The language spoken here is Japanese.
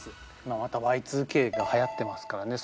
今またＹ２Ｋがはやってますからね。